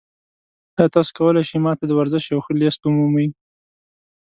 ایا تاسو کولی شئ ما ته د ورزش یو ښه لیست ومومئ؟